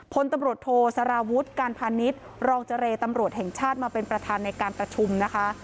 พลตำรวจโทสารวุฒิการพาณิชย์รองเจรตำรวจแห่งชาติมาเป็นประธานในการประชุมนะคะ